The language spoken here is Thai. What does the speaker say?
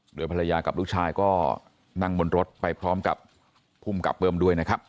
โดยภรรยากับลูกชายก็นั่งบนรถไปพร้อมกับภูมิกับเบิ้มด้วยนะครับ